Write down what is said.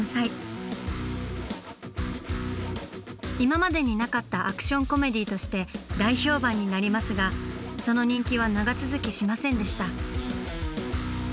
今までになかったアクションコメディとして大評判になりますがその人気は長続きしませんでした。